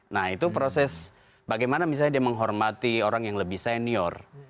nah itu proses bagaimana misalnya dia menghormati orang yang lebih senior